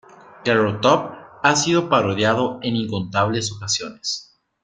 Carrot Top ha sido parodiado en incontables ocasiones.